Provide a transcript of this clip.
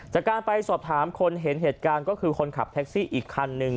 จากการไปสอบถามคนเห็นเหตุการณ์ก็คือคนขับแท็กซี่อีกคันนึง